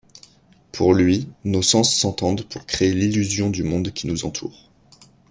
Pour lui, nos sens s'entendent pour créer l'illusion du monde qui nous entoure.